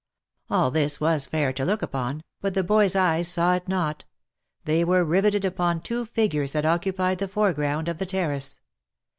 All this was fair to look upon, but the boy's eyes saw it not — they were riveted upon two figures that occupied the foreground of the terrace.